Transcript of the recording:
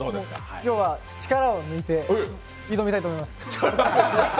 今日は力を抜いて挑みたいと思います。